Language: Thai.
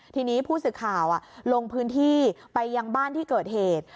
ทีนี้ผู้สื่อข่าวลงพื้นที่ไปยังบ้านที่เกิดเหตุ